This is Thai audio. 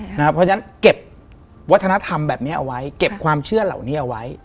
เพราะฉะนั้นเก็บวัฒนธรรมแบบนี้เอาไว้เก็บความเชื่อเหล่านี้เอาไว้